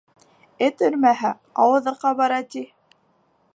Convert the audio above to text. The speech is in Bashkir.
Эт өрмәһә, ауыҙы ҡабара, ти.